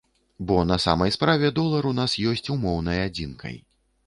Бо на самай справе долар у нас ёсць умоўнай адзінкай.